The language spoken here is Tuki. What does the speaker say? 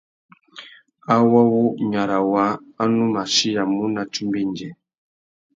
Awô wu nyara waā a nù mù achiyamú nà tsumba indjê.